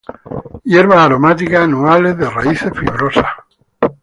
Hierbas aromáticas, anuales, de raíces fibrosas.